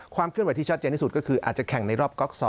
ความเคลื่อนไหวที่ชัดเจนที่สุดก็คืออาจจะแข่งในรอบก๊อก๒